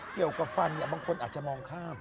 เกี่ยวกับฟันบางคนอาจจะมองข้าม